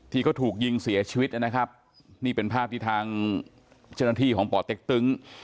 ที่เขาถูกยิงเสียชีวิตนะครับนี่เป็นภาพที่ทางเจ้าหน้าที่ของป่อเต็กตึง